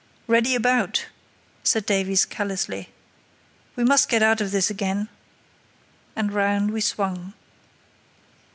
"Ready about!" said Davies, callously. "We must get out of this again." And round we swung.